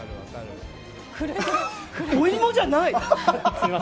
お芋じゃない！